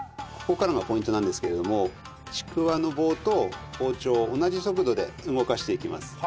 ここからがポイントなんですけれどもちくわの棒と包丁を同じ速度で動かしていきます。